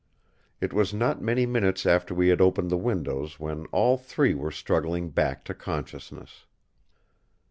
It was not many minutes after we had opened the windows when all three were struggling back to consciousness.